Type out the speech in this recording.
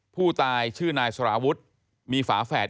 ผู้ตายชื่อนายสารวุฒิ